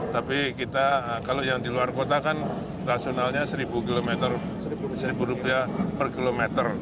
tapi kita kalau yang di luar kota kan rasionalnya rp satu per kilometer